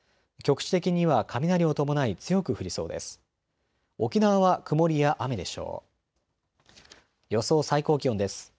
局地的には雷を伴い強く降りそうです。